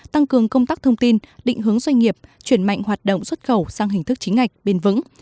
tăng cường công tác thông tin định hướng doanh nghiệp chuyển mạnh hoạt động xuất khẩu sang hình thức chính ngạch bền vững